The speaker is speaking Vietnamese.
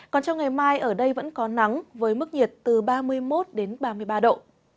còn trong ngày mai ở đây vẫn có nắng với mức nhiệt từ ba mươi một đến ba mươi ba độ